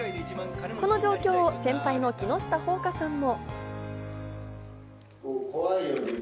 この状況を先輩の木下ほうかさんも。